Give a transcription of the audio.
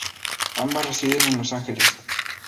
Ambas residen en Los Ángeles.